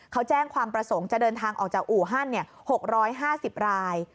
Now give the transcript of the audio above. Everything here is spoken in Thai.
เขาแจ้งความประสงค์จะเดินทางออกจากอู่ฮั่น๖๕๐ราย